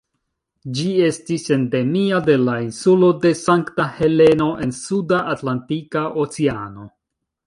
Ĝi estis endemia de la insulo de Sankta Heleno en Suda Atlantika Oceano.